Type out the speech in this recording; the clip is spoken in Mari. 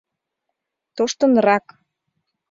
Тоштынрак